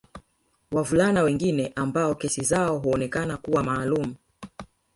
Wavulana wengine ambao kesi zao huonekana kuwa maalumu